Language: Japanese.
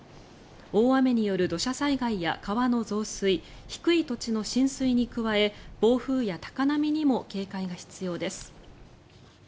大雨による土砂災害や川の増水低い土地の浸水に加え暴風や高波にも警戒が必要です。